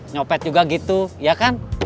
nyopet juga gitu ya kan